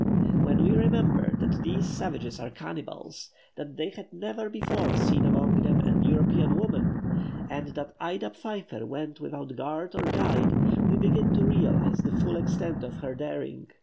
When we remember that these savages are cannibals, that they had never before seen among them an European woman, and that Ida Pfeiffer went without guard or guide, we begin to realize the full extent of her daring.